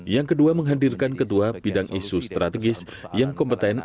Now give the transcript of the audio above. yang kedua menghadirkan ketua bidang isu strategis yang kompeten